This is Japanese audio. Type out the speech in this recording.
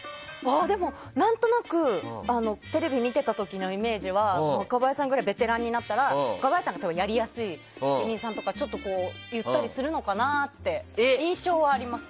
でも、何となくテレビ見ていた時のイメージは若林さんぐらいベテランになったら若林さんがやりやすい人を言ったりするのかなって印象はあります。